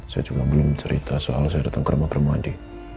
saya juga belum cerita soal saya datang ke rumah kermadi